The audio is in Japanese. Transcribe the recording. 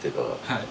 はい。